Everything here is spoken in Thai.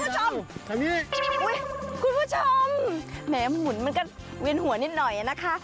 ทำอย่างไรทำอย่างนี้คุณผู้ชมแม่หุ่นมันก็เวียนหัวนิดหน่อยนะคะ